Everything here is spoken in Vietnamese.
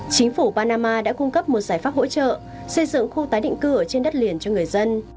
chính phủ panama đã cung cấp một giải pháp hỗ trợ xây dựng khu tái định cư ở trên đất liền cho người dân